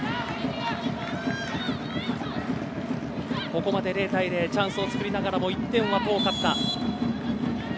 ここまで０対０とチャンスを作りながらも１点は遠かった。